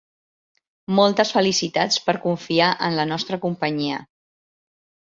Moltes felicitats per confiar en la nostra companyia.